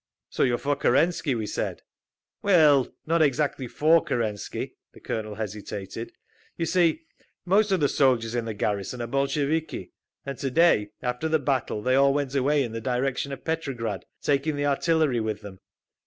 "So you are for Kerensky?" we said. "Well, not exactly for Kerensky." The Colonel hesitated. "You see, most of the soldiers in the garrison are Bolsheviki, and to day, after the battle, they all went away in the direction of Petrograd, taking the artillery with them.